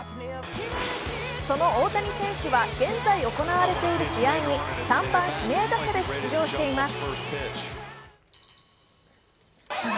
その大谷選手は現在行われている試合に３番・指名打者で出場しています。